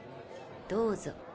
どうぞ。